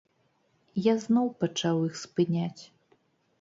Я зноў пачаў іх спыняць.